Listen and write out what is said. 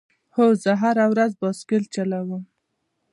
هو، زه هره ورځ بایسکل چلوم